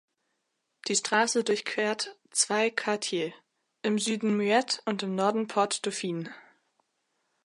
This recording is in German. Die Straße durchquert zwei Quartiers: im Süden Muette und im Norden Porte Dauphine.